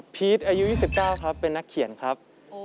อายุ๒๙ครับเป็นนักเขียนครับ